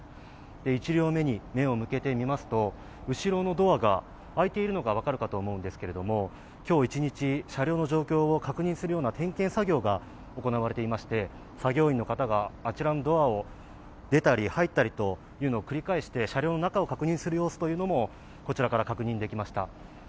１両目に目を向けてみますと、後ろのドアが開いているのが分かるかと思うんですけれども、今日一日、車両の状況を確認する点検作業が行われていまして、作業員の方があちらのドアを出たり入ったりを繰り返して車両の中を確認する様子もこちらから確認できました。